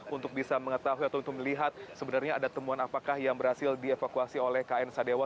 untuk bisa mengetahui atau untuk melihat sebenarnya ada temuan apakah yang berhasil dievakuasi oleh kn sadewa